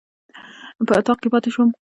په اطاق کې پاتې شوم.